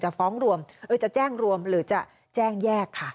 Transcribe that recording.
หรือจะแจ้งรวมหรือจะแจ้งแยกค่ะ